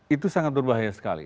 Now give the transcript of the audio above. itu sangat berbahaya sekali